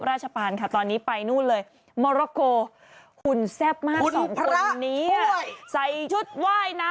แรงจริงเหมือนแซนฟาน